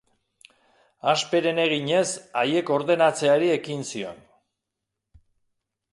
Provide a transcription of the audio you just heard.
Hasperen eginez, haiek ordenatzeari ekin zion.